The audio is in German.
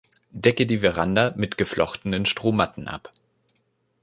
Decke die Veranda mit geflochtenen Strohmatten ab.